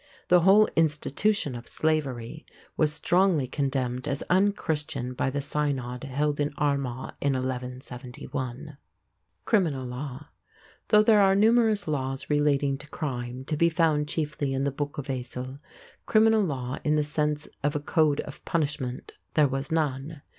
The whole institution of slavery was strongly condemned as un Christian by the Synod held in Armagh in 1171. CRIMINAL LAW. Though there are numerous laws relating to crime, to be found chiefly in the Book of Aicill, criminal law in the sense of a code of punishment there was none.